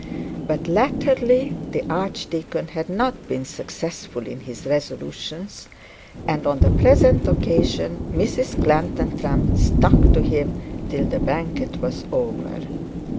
But latterly the archdeacon had not been successful in his resolutions; and on the present occasion Mrs Clantantram stuck to him till the banquet was over.